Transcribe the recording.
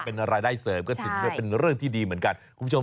เป็นอะไรได้เสริมก็เป็นเรื่องที่ดีเหมือนกัน